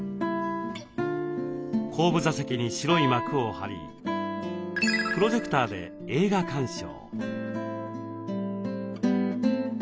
後部座席に白い幕を張りプロジェクターで映画鑑賞。